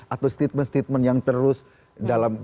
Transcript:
atau statement statement yang terus dalam